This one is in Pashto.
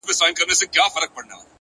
ریښتینی ځواک د ځان کنټرول دی.!